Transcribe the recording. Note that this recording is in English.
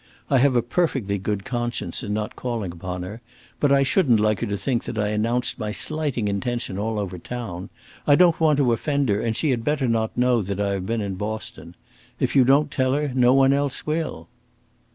I have a perfectly good conscience in not calling upon her, but I shouldn't like her to think that I announced my slighting intention all over the town. I don't want to offend her, and she had better not know that I have been in Boston. If you don't tell her, no one else will."